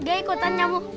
gak ikutan nyamuk